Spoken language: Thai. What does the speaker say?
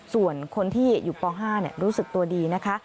ส่วนคนที่อยู่ป๕รู้สึกตัวดีนะคะ